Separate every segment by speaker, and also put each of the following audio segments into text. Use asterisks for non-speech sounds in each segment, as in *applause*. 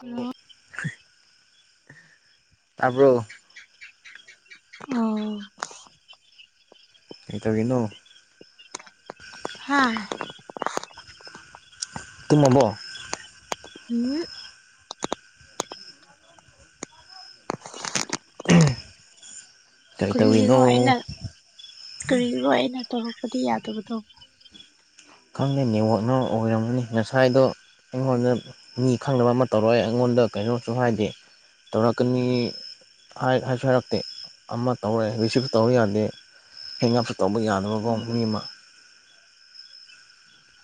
Speaker 1: Hello
Speaker 2: ꯇꯥꯕ꯭ꯔꯣ
Speaker 1: ꯑꯧ
Speaker 2: ꯀꯩꯗꯧꯔꯤꯅꯣ
Speaker 1: ꯍꯥꯥ
Speaker 2: ꯇꯨꯝꯃꯕꯣ
Speaker 1: ꯍꯨꯝ
Speaker 2: ꯀꯔꯤ
Speaker 1: ꯀꯔꯤꯒꯤꯅꯣ ꯑꯩꯅ
Speaker 2: ꯇꯧꯔꯤꯅꯣ
Speaker 1: ꯀꯔꯤꯒꯤꯅꯣ ꯑꯩꯅ ꯇꯧꯔꯛꯄꯗꯤ ꯌꯥꯗꯕꯗꯣ
Speaker 2: ꯈꯪꯗꯦ ꯅꯦꯠꯋꯥꯛꯅ ꯑꯣꯏꯔꯝꯒꯅꯤ ꯉꯁꯥꯏꯗꯣ ꯑꯩꯉꯣꯟꯗ ꯃꯤ ꯈꯪꯗꯕ ꯑꯃ ꯇꯧꯔꯛꯑꯦ ꯑꯩꯉꯣꯟꯗ ꯀꯩꯅꯣꯁꯨ ꯍꯥꯏꯗꯦ ꯇꯧꯔꯥꯛꯀꯅꯤ ꯍꯥꯏꯁꯨ ꯍꯥꯏꯔꯛꯇꯦ ꯑꯃ ꯇꯧꯔꯦ ꯔꯤꯁꯤꯞꯁꯨ ꯇꯧꯕ ꯌꯥꯗꯦ ꯍꯦꯡꯑꯞꯁꯨ ꯇꯧꯕ ꯌꯥꯗꯦ
Speaker 1: ꯎꯝ
Speaker 2: *unintelligible*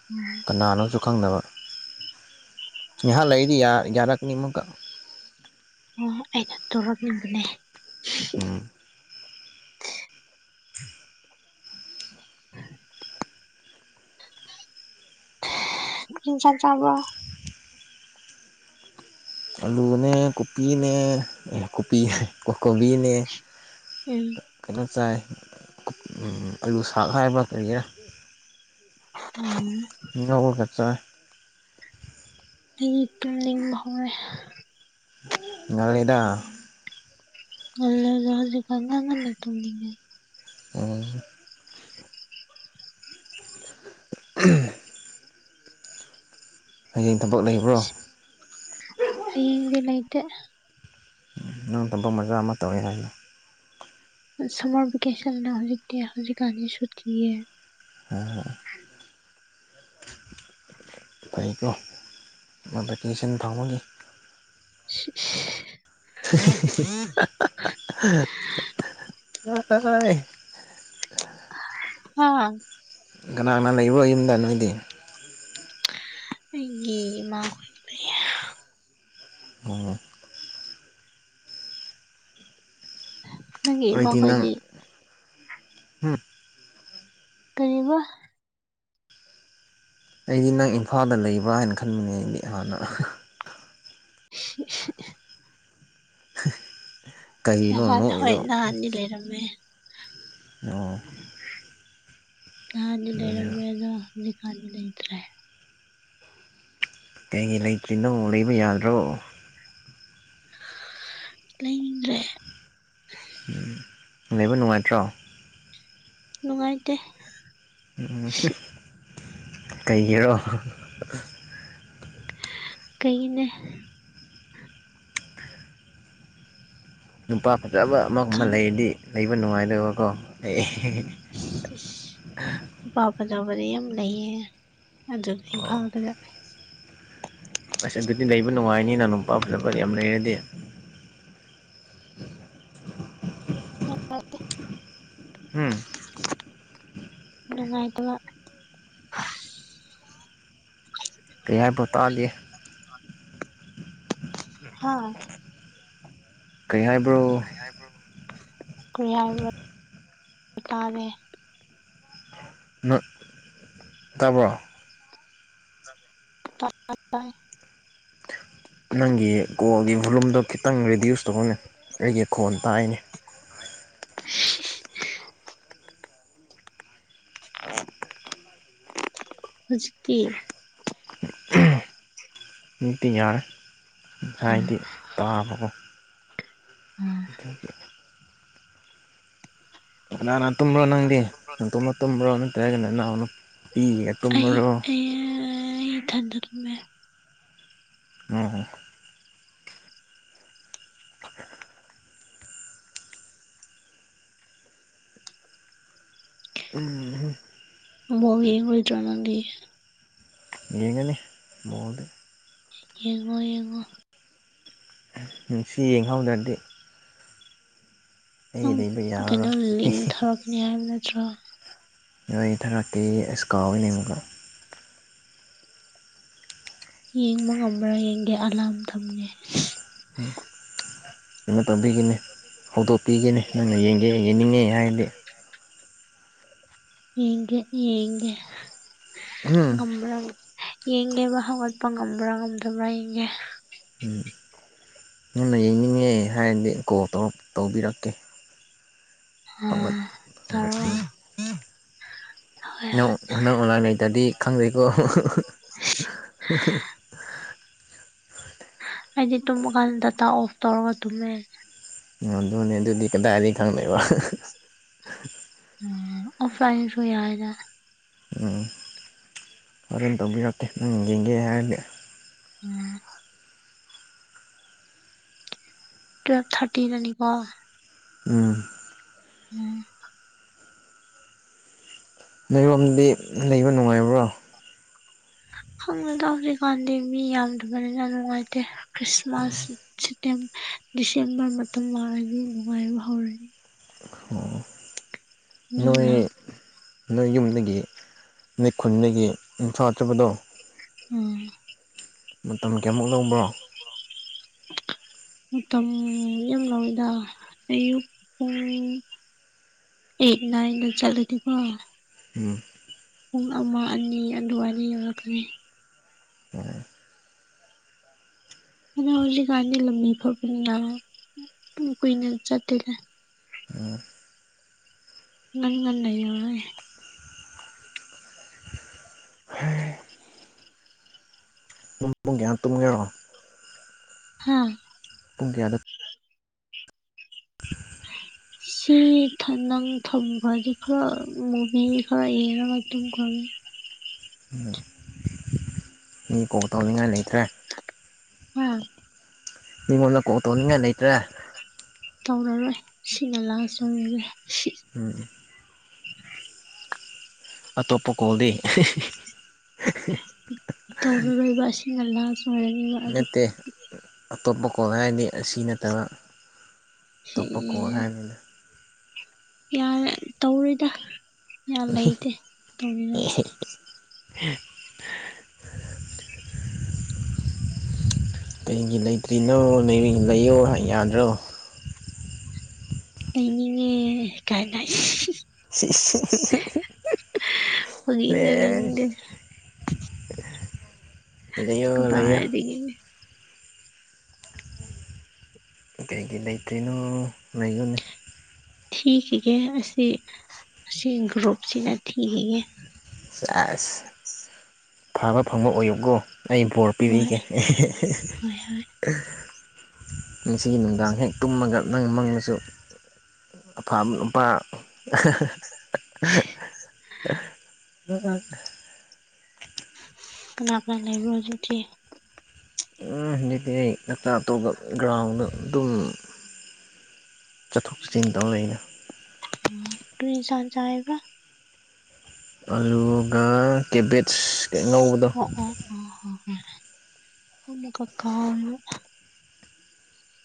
Speaker 1: *unintelligible*
Speaker 2: ꯀꯅꯥꯅꯣꯁꯨ ꯈꯪꯗꯕ ꯅꯍꯥꯟ ꯂꯩꯏꯗꯤ ꯌꯥꯔꯛꯀꯅꯤ ꯑꯃꯨꯛꯀ
Speaker 1: ꯑꯩꯅ ꯇꯧꯔꯛ ꯏꯕꯅꯦ
Speaker 2: ꯎꯝ
Speaker 1: *unintelligible* *unintelligible* ꯆꯥꯛ ꯆꯕ꯭ꯔꯣ
Speaker 2: ꯑꯂꯨꯅꯦ ꯀꯣꯄꯤꯅꯦ ꯀꯣꯄꯤ ꯀꯣꯕꯤꯅꯦ
Speaker 1: ꯎꯝ
Speaker 2: ꯀꯩꯅꯣ ꯆꯥꯏ ꯑꯂꯨ ꯁꯥꯛ ꯍꯥꯏꯕ ꯀꯔꯤꯔꯥ
Speaker 1: ꯎꯝ
Speaker 2: ꯉꯧꯔꯒ ꯆꯥꯏ
Speaker 1: ꯑꯩ ꯄꯨꯡꯅꯤꯡꯕ ꯍꯦ *unintelligible*
Speaker 2: ꯉꯜꯂꯤꯗ
Speaker 1: *unintelligible* ꯍꯧꯖꯤ ꯀꯥꯟꯗꯅ ꯂꯩ ꯇꯨꯝꯅꯤꯉꯦ
Speaker 2: ꯑꯣ *unintelligible* ꯍꯌꯦꯡ ꯊꯕꯛ ꯂꯩꯕ꯭ꯔꯣ
Speaker 1: ꯍꯌꯦꯡꯗꯤ ꯂꯩꯇꯦ
Speaker 2: ꯅꯪ ꯊꯕꯛ ꯃꯆꯥꯥ ꯑꯃ ꯇꯧꯋꯤ ꯍꯥꯏꯅ
Speaker 1: ꯁꯝꯃꯔ ꯚꯦꯀꯦꯁꯟ ꯍꯧꯖꯤꯛꯇꯤ ꯍꯧꯖꯤꯛꯀꯥꯟꯗꯤ ꯁꯨꯇꯤꯌꯦ
Speaker 2: *unintelligible* ꯐꯧꯀꯣ *unintelligible* ꯐꯪꯕꯒꯤ
Speaker 1: *unintelligible*
Speaker 2: *unintelligible*
Speaker 1: ꯍꯥ *unintelligible*
Speaker 2: ꯀꯅꯥꯅ ꯂꯩꯕ꯭ꯔꯣ ꯌꯨꯝꯗ ꯅꯣꯏꯗꯤ
Speaker 1: ꯑꯩꯒꯤ ꯏꯃꯥ
Speaker 2: ꯑꯣ
Speaker 1: ꯅꯪꯒꯤ
Speaker 2: ꯑꯣꯏꯗꯤ ꯅꯪ
Speaker 1: ꯏꯃꯥꯈꯣꯏꯗꯤ ꯀꯔꯤꯕ
Speaker 2: ꯑꯩꯗꯤ ꯅꯪ ꯏꯝꯐꯥꯜꯗ ꯂꯩꯕ꯭ꯔꯥ ꯍꯥꯏꯅ ꯈꯟꯕꯅꯦ ꯑꯩꯗꯤ ꯍꯥꯟꯅ
Speaker 1: *unintelligible*
Speaker 2: ꯀꯔꯤꯅꯣ
Speaker 1: ꯅꯍꯥꯟ ꯍꯣꯏ
Speaker 2: ꯅꯣꯛꯏꯗꯣ
Speaker 1: ꯅꯍꯥꯟꯗꯤ ꯂꯩꯔꯝꯃꯦ
Speaker 2: ꯑꯣ
Speaker 1: ꯅꯍꯥꯟꯗꯤ
Speaker 2: ꯑꯗꯨꯅꯦꯕ
Speaker 1: ꯂꯩꯔꯝꯃꯦ ꯑꯗꯣ ꯍꯨꯖꯤꯛꯀꯥꯟꯗꯤ ꯂꯩꯇ꯭ꯔꯦ
Speaker 2: ꯀꯩꯒꯤ ꯂꯩꯇ꯭ꯔꯤꯅꯣ ꯂꯩꯕ ꯌꯥꯗ꯭ꯔꯣ
Speaker 1: ꯂꯩꯅꯤꯡꯗ꯭ꯔ‌ꯦ
Speaker 2: ꯎꯝ ꯂꯩꯕ ꯅꯨꯡꯉꯥꯏꯇ꯭ꯔꯣ
Speaker 1: ꯅꯨꯡꯉꯥꯏꯇꯦ
Speaker 2: *unintelligible* ꯀꯩꯒꯤꯔꯣ
Speaker 1: ꯀꯩꯒꯤꯅꯦ
Speaker 2: ꯅꯨꯄꯥ ꯐꯖꯕ ꯑꯃꯒꯨꯝꯕ
Speaker 1: ꯈꯪ
Speaker 2: ꯂꯩꯔꯗꯤ ꯂꯩꯕ ꯅꯨꯡꯉꯥꯏꯗꯕꯀꯣ ꯑꯩ *unintelligible*
Speaker 1: ꯅꯨꯄꯥ ꯐꯖꯕꯗꯤ ꯌꯥꯝ ꯂꯩꯌꯦ ꯑꯗꯨ ꯏꯝꯐꯥꯜꯗ
Speaker 2: ꯑꯁ ꯑꯗꯨꯗꯤ ꯂꯩꯕ ꯅꯨꯡꯉꯥꯏꯅꯤꯅ ꯅꯨꯄꯥ ꯐꯖꯕ ꯌꯥꯝ ꯂꯩꯔꯗꯤ ꯎꯝ
Speaker 1: ꯉꯥꯏꯇꯕ *inaudible*
Speaker 2: ꯀꯌꯥꯕ ꯇꯥꯗ‌ꯦ
Speaker 1: ꯍꯥ
Speaker 2: ꯀꯩ ꯍꯥꯏꯕ꯭ꯔꯣ
Speaker 1: ꯀꯔꯤꯍ ꯇꯥꯅꯦ *unintelligible*
Speaker 2: ꯉꯛ ꯇꯕꯔꯣ꯫
Speaker 1: *unintelligible*
Speaker 2: ꯅꯪꯒꯤ ꯀꯣꯜꯒꯤ ꯚꯣꯂꯨꯝꯗꯣ ꯈꯤꯇꯪ ꯔꯤꯗ꯭ꯌꯨꯁ ꯇꯧꯑꯣꯅꯦ ꯑꯩꯒꯤ ꯈꯣꯟ ꯇꯥꯏꯅꯦ꯫
Speaker 1: *unintelligible* *unintelligible* ꯍꯧꯖꯤꯛꯇꯤ꯫
Speaker 2: ꯍꯧꯖꯤꯛꯇꯤ ꯌꯥꯔꯦ ꯉꯥꯁꯥꯏꯗꯤ ꯇꯥꯕꯀꯣ꯫ ꯊꯝ ꯉꯥꯟꯅ ꯇꯨꯝꯕ꯭ꯔꯣ ꯅꯪꯗꯤ ꯅꯪ ꯅꯥꯇꯣꯝꯗ ꯇꯨꯝꯕ꯭ꯔꯣ ꯅꯠꯇꯔꯒꯅ ꯅꯅꯥꯎ ꯅꯨꯄꯤꯒ ꯇꯨꯝꯕ꯭ꯔꯣ꯫
Speaker 1: ꯏꯊꯟꯗ ꯇꯨꯝꯃꯦ꯫
Speaker 2: ꯑꯣ꯫
Speaker 1: ꯕꯣꯜ ꯌꯦꯡꯉꯣꯏꯗꯔ ꯅꯪꯗꯤ꯫
Speaker 2: ꯌꯦꯡꯒꯅꯤ꯫ ꯃꯣꯜꯗꯦ꯫
Speaker 1: ꯌꯦꯡꯉꯣ ꯌꯦꯡꯉꯣ꯫
Speaker 2: ꯎꯝ ꯁꯤ ꯌꯦꯡꯍꯧꯗ꯭ꯔꯗꯤ꯫ ꯑꯩ
Speaker 1: ꯅꯪ
Speaker 2: ꯂꯩꯕ
Speaker 1: ꯀꯩꯅꯣ
Speaker 2: ꯌꯥꯔꯔꯣꯏ
Speaker 1: ꯂꯤꯡ ꯊꯥꯔꯛꯀꯅꯤ ꯍꯥꯏꯕ ꯅꯠꯇ꯭ꯔꯣ꯫
Speaker 2: ꯂꯤꯡ ꯊꯥꯔꯛꯀꯦ ꯑꯁ ꯀꯥꯎꯋꯤꯅꯦ ꯑꯃꯨꯛꯀ꯫
Speaker 1: ꯌꯦꯡꯕ ꯉꯝꯕ꯭ꯔꯥ ꯌꯦꯡꯒꯦ ꯑꯂꯥꯔꯝ ꯊꯝꯒꯦ꯫
Speaker 2: ꯎ ꯀꯩꯅꯣ ꯇꯧꯕꯒꯤꯅꯦ ꯍꯧꯗꯣꯛ ꯄꯤꯒꯅꯤ ꯅꯪꯅ ꯌꯦꯡꯒꯦ ꯌꯦꯡꯅꯤꯡꯉꯦ ꯍꯥꯏꯔꯗꯤ꯫
Speaker 1: ꯌꯦꯒꯦꯗꯤ ꯌꯦꯒꯦ ꯉꯥꯝꯕꯔꯅ꯫ ꯌꯦꯡꯒꯦꯕ ꯍꯧꯒꯠꯄ ꯉꯝꯕ꯭ꯔꯥ ꯉꯝꯗꯕ꯭ꯔꯥ ꯌꯦꯡꯒꯦ꯫
Speaker 2: ꯎꯝ꯫ ꯅꯪꯅ ꯌꯦꯡꯅꯤꯡꯉꯦ ꯍꯥꯏꯔꯗꯤ ꯀꯣꯜ ꯇꯧꯕꯤꯔꯛꯀꯦ꯫
Speaker 1: ꯑ
Speaker 2: ꯍꯧꯒꯠ
Speaker 1: ꯇꯔꯣꯛ꯫
Speaker 2: ꯍꯧꯒꯠꯄꯤ ꯅꯪ ꯅꯪ ꯑꯣꯂꯥꯏꯟ ꯂꯩꯇ꯭ꯔꯗꯤ ꯈꯪꯗꯦꯀꯣ꯫
Speaker 1: ꯑꯩꯗꯤ ꯇꯨꯝꯃꯀꯥꯟꯗ ꯗꯇꯥ ꯑꯣꯐ ꯇꯧꯔꯒ ꯇꯨꯝꯃꯦ꯫
Speaker 2: ꯑꯣ ꯑꯗꯨꯅꯦ ꯑꯗꯨꯗꯤ ꯀꯗꯥꯏꯗꯤ ꯈꯪꯗꯣꯏꯕ꯫
Speaker 1: ꯑꯥ ꯑꯣꯐꯂꯥꯏꯟꯗꯁꯨ ꯌꯥꯏꯌꯦꯗ꯫
Speaker 2: ꯑꯣ꯫ ꯍꯣꯔꯦꯟ ꯇꯧꯕꯤꯔꯛꯀꯦ ꯅꯪ ꯌꯦꯡꯒꯦ ꯍꯥꯏꯔꯗꯤ꯫
Speaker 1: ꯑ꯫ ꯇꯨꯌꯦꯜꯞ ꯊꯥꯔꯇꯤꯗꯅꯤꯀꯣ꯫
Speaker 2: ꯎꯝ
Speaker 1: ꯑꯣ꯫
Speaker 2: ꯅꯣꯏ ꯔꯣꯝꯗꯤ ꯂꯩꯕ ꯅꯨꯡꯉꯥꯏꯕ꯭ꯔꯣ꯫
Speaker 1: ꯈꯪꯅ ꯇꯧꯗ꯭ꯔꯤꯀꯥꯟꯗꯤ ꯃꯤ ꯌꯥꯝꯗꯕꯅꯤꯅ ꯅꯨꯡꯉꯥꯏꯇꯦ ꯈ꯭ꯔꯤꯁꯃꯥꯁ ꯁꯤꯇꯦꯝ ꯗꯤꯁꯦꯝꯕꯔ ꯃꯇꯝ ꯌꯧꯔꯗꯤ ꯅꯨꯡꯉꯥꯏ ꯍꯧꯔꯅꯤ꯫
Speaker 2: ꯑꯣ꯫
Speaker 1: ꯃꯤ
Speaker 2: ꯅꯣꯏ
Speaker 1: ꯂꯥꯛ
Speaker 2: ꯅꯣꯏ ꯌꯨꯝꯗꯒꯤ ꯅꯣꯏ ꯈꯨꯟꯗꯒꯤ ꯏꯝꯐꯥꯜ ꯆꯠꯄꯗꯣ꯫
Speaker 1: ꯑꯥ꯫
Speaker 2: ꯃꯇꯝ ꯀꯌꯥꯃꯨꯛ ꯂꯧꯕ꯭ꯔꯣ꯫
Speaker 1: *unintelligible* ꯃꯇꯝ ꯌꯥꯝ ꯂꯧꯌꯦꯗ ꯑꯌꯨꯛ ꯄꯨꯡ ꯑꯩꯠ ꯅꯥꯏꯟꯗ ꯆꯠꯂꯗꯤꯀꯣ
Speaker 2: ꯎꯝ꯫
Speaker 1: ꯄꯨꯡ ꯑꯃ ꯑꯅꯤ ꯑꯗꯨꯋꯥꯏꯗ ꯌꯧꯔꯛꯀꯅꯤ꯫
Speaker 2: ꯑꯣ꯫
Speaker 1: ꯑꯗꯨꯗ ꯍꯧꯖꯤꯛꯀꯥꯟꯗꯤ ꯂꯝꯕꯤ ꯐꯕꯅ ꯀꯨꯏꯅ ꯆꯠꯇꯦꯅꯦ꯫ ꯅꯪ ꯅ ꯌ
Speaker 2: ꯄ ꯄꯨꯡ ꯀꯌꯥ ꯇꯨꯝꯒꯦꯔꯣ
Speaker 1: ꯍꯥꯝ
Speaker 2: ꯄꯨꯡ ꯀꯌꯥꯗ *inaudible*
Speaker 1: ꯁꯤ ꯅꯪ ꯊꯝꯕꯗꯤ ꯈꯔ ꯃꯨꯚꯤ ꯈꯔ ꯌꯦꯡꯉꯒ ꯑꯗꯨ ꯈꯪꯃꯤ
Speaker 2: ꯎ ꯃꯤ ꯀꯣꯜ ꯇꯧꯅꯤꯡꯉꯥꯏ ꯂꯩꯇ꯭ꯔꯦ
Speaker 1: ꯎꯝ
Speaker 2: ꯃꯤꯉꯣꯟꯗ ꯀꯣꯛ ꯇꯣꯅꯤꯡꯉꯥꯏ ꯂꯩꯇ꯭ꯔꯦ
Speaker 1: ꯇꯧꯔꯔꯣꯏ ꯁꯤꯅ ꯂꯥꯁꯔꯤꯁꯦ ꯁꯤ
Speaker 2: ꯎꯝ ꯑꯇꯣꯞꯄ ꯀꯣꯜꯗꯤ
Speaker 1: ꯇꯔꯣꯏꯕꯁꯤꯒꯅ ꯆ
Speaker 2: ꯅꯠꯇꯦ ꯑꯇꯣꯞꯄ ꯀꯣ ꯍꯥꯏꯔꯗꯤ ꯑꯁꯤ ꯅꯠꯇꯕ ꯇꯣꯞꯄ ꯀꯣ ꯍꯥꯏꯅꯤꯅꯦ
Speaker 1: ꯌꯥ ꯇꯧꯔꯤꯗ ꯌꯥꯝ ꯂꯩꯇꯦ ꯇꯧꯔꯤꯗ
Speaker 2: ꯑꯩꯒꯤ ꯂꯩꯇ꯭ꯔꯤꯅꯣ ꯅ ꯂꯩꯌꯣ ꯌꯥꯗ꯭ꯔꯣ
Speaker 1: ꯂꯩꯅꯤꯡꯉꯦ ꯀꯥꯏꯅ ꯍ ꯌꯦꯒ ꯂꯩꯅꯤꯡꯦ
Speaker 2: ꯂꯩꯌꯣ ꯂꯩꯌꯣ
Speaker 1: ꯀꯗꯥꯔꯤ
Speaker 2: ꯀꯩꯒꯤ ꯂꯩꯇ꯭ꯔꯤꯅꯣ ꯂꯩꯉꯣꯅꯦ
Speaker 1: ꯊꯒ ꯑꯁꯤꯁ ꯑꯁꯤ ꯒ꯭ꯔꯨꯞꯁꯤꯅ ꯊꯒꯦ
Speaker 2: ꯑꯁ ꯐꯕ ꯐꯪꯕ ꯑꯣꯏꯌꯨꯀꯣ ꯑꯩ ꯕꯣꯔ
Speaker 1: ꯍꯣꯏ
Speaker 2: ꯄꯤꯕꯤꯒꯦ
Speaker 1: ꯍꯣꯏ ꯍꯣꯏ
Speaker 2: ꯃꯁꯤꯁꯤꯒꯤ ꯅꯨꯡꯗꯥꯡ ꯍꯦꯛ ꯇꯨꯝꯃꯒ ꯅꯪ ꯃꯪꯃꯁꯨ ꯂꯄꯥꯥꯝ ꯂꯝꯄꯥ *inaudible*
Speaker 1: ꯀꯅꯥ ꯀ ꯂꯩꯕꯤ ꯍꯧꯖꯤ ꯊ
Speaker 2: ꯎꯝ ꯍꯧꯖꯤꯛꯇꯤ ꯑꯩ ꯅꯛꯇ ꯑꯇꯣꯞꯄ ꯒ꯭ꯔꯥꯎꯟꯗ ꯑꯗꯨꯝ ꯆꯠꯊꯣꯛ ꯆꯠꯁꯤꯟ ꯇꯧꯔ ꯑꯩꯅ
Speaker 1: ꯇ ꯏꯁꯥ ꯆꯦꯕ
Speaker 2: ꯑꯗꯨꯒ ꯀꯦꯕꯦꯠꯁꯅꯧꯕꯗꯣ
Speaker 1: ꯀꯩꯅ ꯀꯀꯥ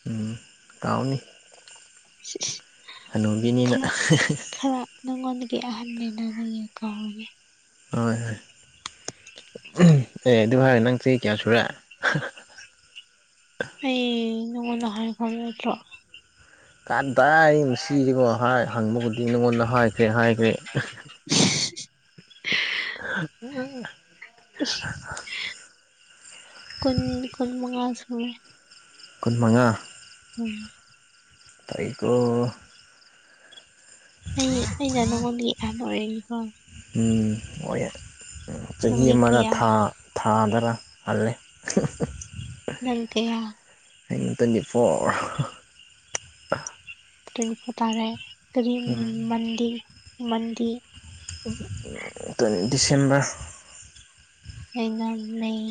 Speaker 2: ꯎꯝ ꯇꯎꯅꯤ ꯍꯅꯨꯕꯤꯅꯤꯅ
Speaker 1: ꯈꯔ ꯈꯔ ꯅꯪꯉꯣꯟꯗꯒꯤ ꯑꯍꯥꯟꯕ ꯂꯩꯅ ꯌꯦ ꯀꯥꯦ
Speaker 2: ꯍꯣꯏ ꯍꯣꯏ ꯑꯦ ꯑꯗꯨꯚꯥꯔ ꯅꯪ ꯆꯦ ꯀꯌꯥ ꯁꯨꯔ
Speaker 1: ꯑꯩ ꯅꯪꯉꯣꯟꯗ ꯍꯥꯏꯈ꯭ꯔꯕ ꯅꯠꯇ꯭ꯔꯣ
Speaker 2: ꯀꯗꯥꯏ ꯁꯤꯁꯤꯀꯣ ꯍꯥꯏ ꯍꯪꯕꯕꯨꯗꯤ ꯅꯪꯉꯣꯟꯗ ꯍꯥꯏꯈ꯭ꯔꯦ ꯍꯥꯏꯈ꯭ꯔꯦ ꯎ
Speaker 1: ꯀꯨꯟ ꯀꯨꯟ ꯃꯉꯥꯁꯦ
Speaker 2: ꯀꯨꯟ ꯃꯉꯥ
Speaker 1: ꯎꯝ
Speaker 2: ꯇꯈ
Speaker 1: ꯑꯩ ꯑꯩ ꯣ ꯑꯅꯔꯦꯀꯣ
Speaker 2: ꯍꯣꯏ ꯆꯍꯤ
Speaker 1: ꯅꯪꯗꯤ
Speaker 2: ꯑꯃꯗ
Speaker 1: ꯀꯌꯥ
Speaker 2: ꯊꯥ ꯊꯥꯗꯔ ꯃꯥꯜꯂꯦ
Speaker 1: ꯅꯪ ꯀꯌꯥ
Speaker 2: ꯇ꯭ꯋꯦꯟꯇꯤ ꯐꯣꯔ
Speaker 1: ꯇ꯭ꯋꯦꯟꯇꯤ ꯐꯣꯔ ꯇꯥꯔꯦ ꯀꯔꯤ ꯃꯟꯗꯤ ꯃꯟꯗꯤ
Speaker 2: ꯗꯤꯁꯦꯝꯕꯔ
Speaker 1: ꯑꯩꯒ ꯃꯅꯩ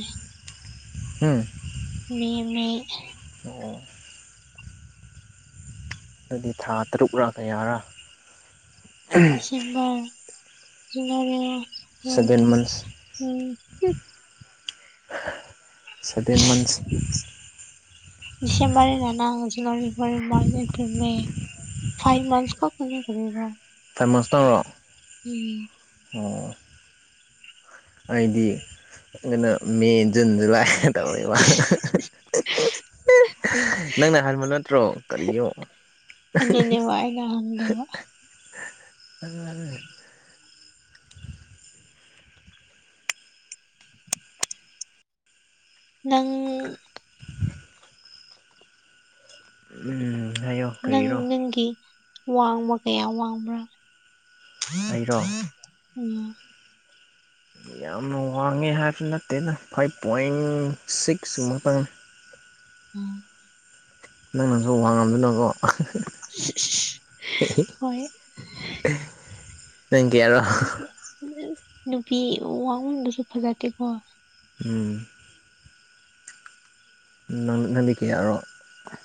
Speaker 2: ꯎꯝ
Speaker 1: ꯃꯤꯃꯤ
Speaker 2: ꯑꯣ ꯑꯗꯨꯗꯤ ꯊꯥ ꯇꯔꯨꯛꯔ ꯀꯌꯥꯔꯥ
Speaker 1: ꯁꯤ ꯎꯝ
Speaker 2: seven months
Speaker 1: *unintelligible*
Speaker 2: seven
Speaker 1: *inaudible*
Speaker 2: months
Speaker 1: *unintelligible* December ꯅꯅꯥ January February March April May five months ꯈꯛꯇꯅꯤ ꯍꯟꯕ
Speaker 2: ꯇꯥꯏꯃꯁꯅꯔꯣ ꯑꯣ ꯍꯥꯏꯗꯤ ꯀꯩꯅꯣ ꯃꯦ ꯖꯨꯟ ꯖꯨꯂꯥꯏ
Speaker 1: *unintelligible*
Speaker 2: ꯇꯧꯋꯦꯕ ꯅꯪꯅ ꯍꯟꯕ ꯅꯠꯇ꯭ꯔꯣ ꯀꯔꯤꯅꯣ
Speaker 1: *unintelligible* ꯑꯗꯨꯅꯦ ꯍꯣꯢ ꯑꯩ *unintelligible*
Speaker 2: *unintelligible*
Speaker 1: ꯅꯪ
Speaker 2: ꯎꯝ ꯍꯥꯏꯌꯣ
Speaker 1: ꯅꯪ
Speaker 2: ꯀꯔꯤꯔꯣ
Speaker 1: ꯅꯪꯒꯤ ꯋꯥꯡꯕ ꯀꯌꯥ ꯋꯥꯡꯕ꯭ꯔꯥ
Speaker 2: ꯑꯩꯔꯣ
Speaker 1: *inaudible* ꯎꯝ
Speaker 2: ꯌꯥꯝꯅ ꯋꯥꯡꯉꯦ ꯍꯥꯏꯕ ꯅꯠꯇꯦꯅ ꯐꯥꯏꯚ ꯄꯣꯏꯟ ꯁꯤꯛꯁꯃꯨꯛꯇꯪꯅꯤ
Speaker 1: ꯎꯝ
Speaker 2: ꯅꯪꯅꯁꯨ ꯋꯥ ꯉꯝꯗꯅꯀꯣ
Speaker 1: ꯁꯤꯁ ꯍꯣꯏ
Speaker 2: ꯅꯪ ꯀꯌꯥꯔꯣ
Speaker 1: ꯈꯪꯗꯦꯗ ꯅꯨꯄꯤ ꯋꯥꯡꯃꯟꯕꯁꯨ ꯐꯖꯗꯦꯀꯣ
Speaker 2: ꯎꯝ ꯅꯪ ꯅꯪꯗꯤ ꯀꯌꯥꯔꯣ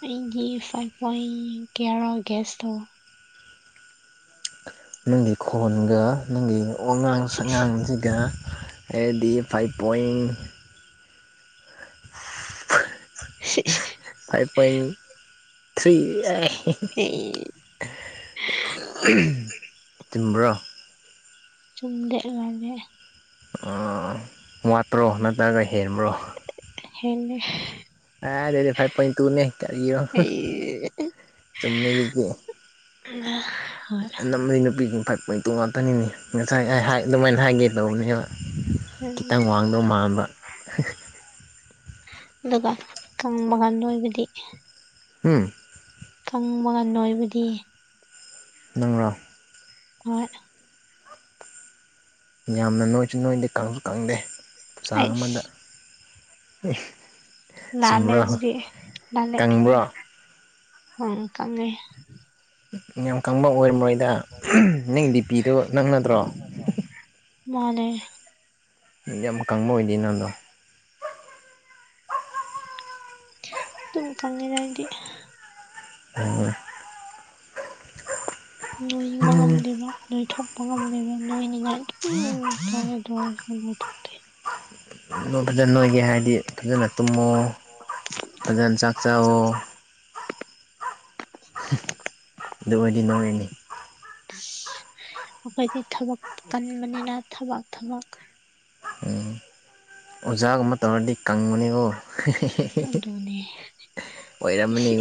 Speaker 1: ꯑꯩꯒꯤ ꯐꯥꯏꯚ ꯄꯣꯏꯟ ꯀꯌꯥꯔ ꯒꯦꯁ ꯇꯧ
Speaker 2: ꯅꯪꯒꯤ ꯈꯣꯟꯒ ꯅꯪꯒꯤ ꯋꯥꯉꯥꯡ ꯁꯛꯉꯥꯡꯁꯤꯒ ꯑꯩꯗꯤ five point
Speaker 1: *inaudible*
Speaker 2: five point three
Speaker 1: ꯑꯩ
Speaker 2: *unintelligible* *unintelligible* ꯆꯨꯝꯕ꯭ꯔꯣ
Speaker 1: ꯆꯨꯝꯗꯦ ꯂꯂꯦ
Speaker 2: ꯑꯣ ꯋꯥꯠꯇ꯭ꯔꯣ ꯅꯠꯇ꯭ꯔꯒ ꯍꯦꯟꯕ꯭ꯔꯣ
Speaker 1: ꯍꯦꯜꯂꯦ
Speaker 2: ꯑ ꯑꯗꯨꯗꯤ ꯐꯥꯏꯚ ꯄꯣꯏꯟ ꯇꯨꯅꯦ ꯀꯔꯤꯔꯣ
Speaker 1: ꯑꯩ
Speaker 2: ꯆꯨꯝꯃꯦ ꯑꯗꯨꯗꯤ
Speaker 1: ꯎꯝ
Speaker 2: ꯑꯅꯝꯕ ꯅꯨꯄꯤꯁꯤꯡ ꯐꯥꯏꯚ ꯄꯣꯏꯟ ꯇꯨ ꯉꯥꯛꯇꯅꯤ ꯉꯁꯥꯏ ꯑꯩ ꯑꯗꯨꯃꯥꯏꯅ ꯍꯥꯏꯒꯦ ꯇꯧꯕꯅꯦꯕ ꯈꯤꯇꯪ ꯋꯥꯡꯗꯧ ꯃꯥꯟꯕ
Speaker 1: ꯑꯗꯨꯒ ꯀꯪꯕꯒ ꯅꯣꯏꯕꯗꯤ
Speaker 2: ꯍꯨꯝ
Speaker 1: ꯀꯪꯕꯒ ꯅꯣꯏꯕꯗꯤ
Speaker 2: ꯅꯪꯔꯣ
Speaker 1: ꯍꯣꯏ
Speaker 2: ꯌꯥꯝꯅ ꯅꯣꯏꯁꯨ ꯅꯣꯏꯗꯦ ꯀꯪꯁꯨ ꯀꯪꯗꯦ ꯆꯥꯡ ꯑꯃꯗ
Speaker 1: ꯑꯩꯁ
Speaker 2: ꯏ *inaudible*
Speaker 1: ꯂꯅꯥꯂꯦ ꯑꯗꯨꯗꯤ ꯅꯥꯜꯂꯦ
Speaker 2: ꯀꯪꯕ꯭ꯔꯣ ꯌꯥꯝ ꯀꯪꯕ ꯑꯣꯏꯔꯝꯃꯣꯏꯗ ꯅꯪ ꯕꯤꯄꯤꯗꯨꯣ ꯅꯪ ꯅꯠꯗ꯭ꯔꯣ
Speaker 1: ꯃꯥꯅꯦ
Speaker 2: ꯌꯥꯝ ꯀꯪꯕ ꯑꯣꯏꯗꯦ ꯅꯪꯗꯣ
Speaker 1: ꯑꯗꯨꯝ ꯀꯪꯉꯤꯗ ꯑꯩꯗꯤ
Speaker 2: ꯑꯥ
Speaker 1: ꯅꯣꯏꯕ ꯉꯝꯗꯦꯕ ꯅꯣꯏ ꯊꯣꯛ ꯉꯝꯗꯦꯕ ꯅꯣꯅꯤꯡꯉꯥꯏ *unintelligible*
Speaker 2: ꯑꯗꯨ ꯐꯖꯅ ꯅꯣꯏꯒꯦ ꯍꯥꯏꯔꯗꯤ ꯐꯖꯅ ꯇꯨꯝꯃꯣ ꯐꯖꯅ ꯆꯥꯛ ꯆꯥꯋꯣ
Speaker 1: *unintelligible*
Speaker 2: ꯑꯗꯨ ꯑꯣꯏꯔꯗꯤ ꯅꯣꯡꯅꯤ
Speaker 1: ꯑꯁ ꯑꯩꯈꯣꯏꯗꯤ ꯊꯕꯛ ꯀꯟꯕꯅꯤꯅ ꯊꯕꯛ ꯊꯕꯛ
Speaker 2: ꯑꯣꯖꯥꯒꯨꯝꯕ ꯇꯧꯔꯗꯤ ꯀꯪꯕꯅꯤꯀꯣ
Speaker 1: ꯑꯗꯨꯅꯦ
Speaker 2: ꯑꯣꯏꯔꯝꯃꯥꯅꯤ